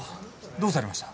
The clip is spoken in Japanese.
どうされました？